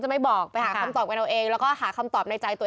เต็มทีแล้วใช่ไหมคะ